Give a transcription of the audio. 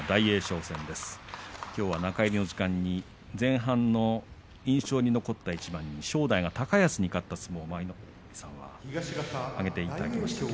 きょうは中入りの時間に前半の印象に残った一番に正代が高安に勝った相撲を舞の海さんは挙げていました。